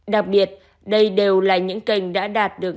đặc biệt đây đều là những kênh đã đạt được